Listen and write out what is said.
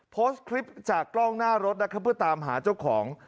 โพสต์คลิปจากกล้องหน้ารถนะครับเพื่อตามหาเจ้าของ